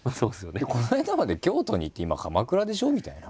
この間まで京都にいて今鎌倉でしょ？みたいな。